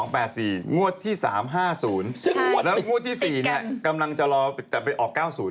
แล้วกรัมงวดที่๔เนี้ยกำลังจะไปออก๙๐ไหม